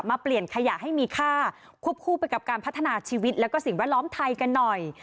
เปลี่ยนขยะให้มีค่าควบคู่ไปกับการพัฒนาชีวิตและสิ่งแวดล้อมไทยกันหน่อย